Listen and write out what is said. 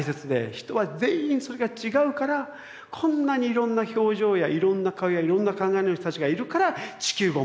人は全員それが違うからこんなにいろんな表情やいろんな顔やいろんな考えの人たちがいるから地球が面白くて。